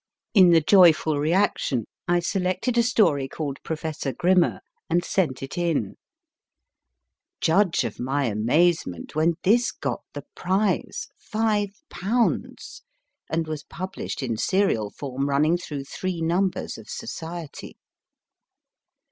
In the joyful reaction I selected a story called Professor Grimmer/ and sent it in. Judge of my amaze ment when this got the prize (5/.), and was published in serial form running through three numbers of Society.